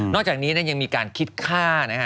นอกจากนี้ยังมีการคิดค่า